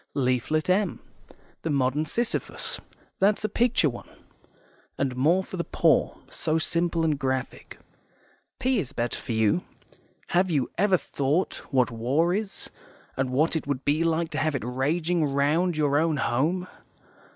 Leaflet M, the Modern Sisyphus that's a picture one, and more for the poor; so simple and graphic. P is better for you. HAVE YOU EVER THOUGHT what war is, and what it would be like to have it raging round your own home?